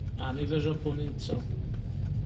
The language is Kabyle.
Ɛni d ajapuni netta?